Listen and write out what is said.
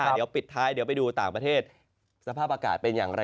เดี๋ยวปิดท้ายเดี๋ยวไปดูต่างประเทศสภาพอากาศเป็นอย่างไร